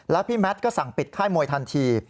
แล้วพี่แมทก็สั่งปิดค่ายมวยทันที